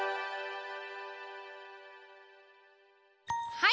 はい！